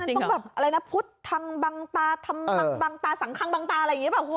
นั่นต้องแบบอะไรนะพุทธทางบังตาศังทางบังตาอะไรอย่างนี้ป่ะคุณ